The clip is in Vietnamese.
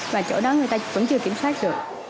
và chỗ đó người ta vẫn chưa kiểm soát được